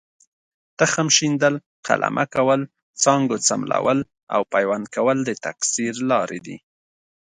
تخم شیندل، قلمه کول، څانګو څملول او پیوند کول د تکثیر لارې دي.